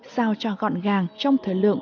sao cho gọn gàng trong thời lượng